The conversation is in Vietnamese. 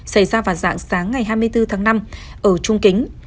xảy ra vào dạng sáng ngày hai mươi bốn tháng năm ở trung kính